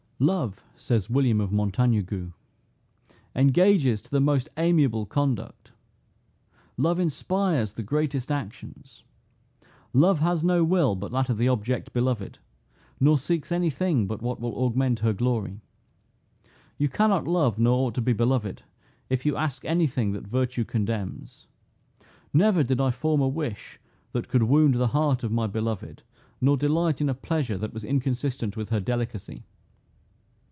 "Love," says William of Montagnogout, "engages to the most amiable conduct. Love inspires the greatest actions. Love has no will but that of the object beloved, nor seeks any thing but what will augment her glory. You cannot love, nor ought to be beloved, if you ask any thing that virtue condemns. Never did I form a wish that could wound the heart of my beloved, nor delight in a pleasure that was inconsistent with her delicacy."